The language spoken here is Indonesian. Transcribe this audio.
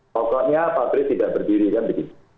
pokoknya pabrik tidak berdiri kan begitu